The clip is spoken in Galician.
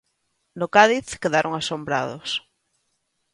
No Cádiz quedaron asombrados.